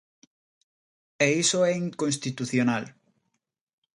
E iso é inconstitucional.